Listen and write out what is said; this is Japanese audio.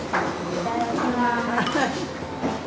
いただきます。